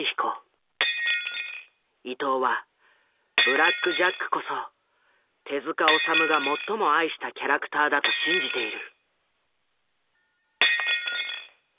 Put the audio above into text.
伊藤はブラック・ジャックこそ手治虫が最も愛したキャラクターだと信じている。